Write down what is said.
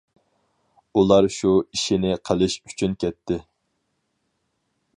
ئۇلار شۇ ئىشىنى قىلىش ئۈچۈن كەتتى.